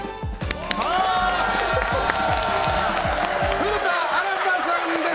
古田新太さんです！